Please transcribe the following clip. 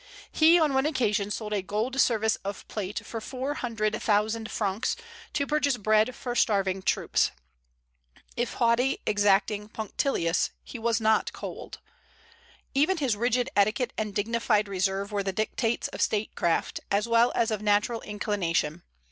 He on one occasion sold a gold service of plate for four hundred thousand francs, to purchase bread for starving troops. If haughty, exacting, punctilious, he was not cold. Even his rigid etiquette and dignified reserve were the dictates of statecraft, as well as of natural inclination.